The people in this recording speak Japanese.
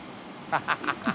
ハハハ